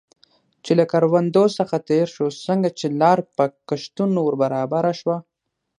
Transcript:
چې له کروندو څخه تېر شو، څنګه چې لار په کښتونو ور برابره شوه.